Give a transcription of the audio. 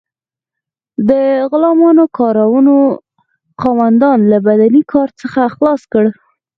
د غلامانو کارونو خاوندان له بدني کار څخه خلاص کړل.